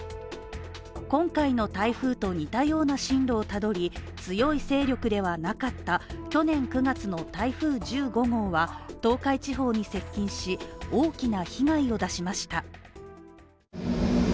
今回の台風と似たような進路をたどり強い勢力ではなかった去年９月の台風１５号は東海地方に接近し大きな被害を出しました。